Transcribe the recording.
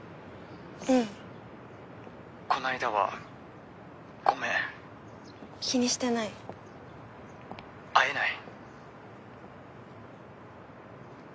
うんこないだはごめん気にしてない会えない？